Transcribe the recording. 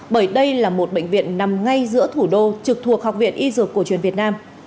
bởi đây là một bệnh viện nằm ngay giữa thủ đô trực thuộc học viện y dược cổ truyền việt nam